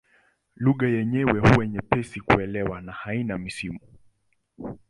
Lugha yenyewe huwa nyepesi kuelewa na haina misimu.